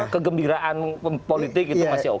kegembiraan politik itu masih oke